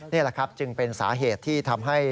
นี่แหละครับจึงเป็นสาเหตุที่ทำให้